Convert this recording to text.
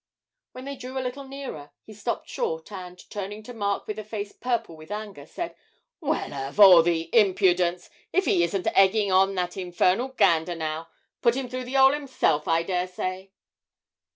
When they drew a little nearer, he stopped short and, turning to Mark with a face purple with anger, said, 'Well, of all the impudence if he isn't egging on that infernal gander now put him through the 'ole himself, I daresay!'